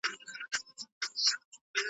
زه یې وینم دوی لګیا دي په دامونو .